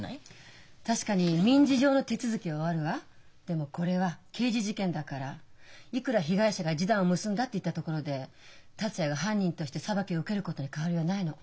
でもこれは刑事事件だからいくら被害者が「示談を結んだ」って言ったところで達也が犯人として裁きを受けることに変わりはないの。